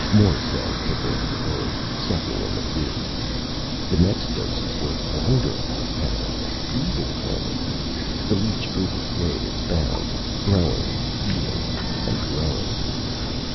More cells took over the load, sucking in the food. The next doses were wonderfully palatable, easily handled. The leech overflowed its bounds, growing, eating, and growing.